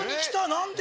何で？